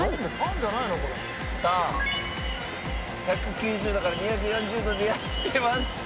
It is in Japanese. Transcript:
さあ１９０度から２４０度で焼いてます。